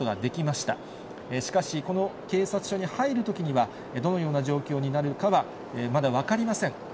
しかし、この警察署に入るときには、どのような状況になるかは、まだ分かりません。